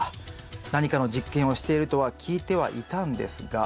何かの実験をしているとは聞いてはいたんですが。